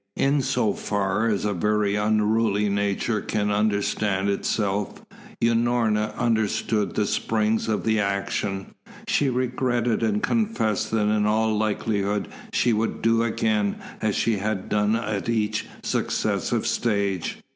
In so far as a very unruly nature can understand itself, Unorna understood the springs of the actions, she regretted and confessed that in all likelihood she would do again as she had done at each successive stage.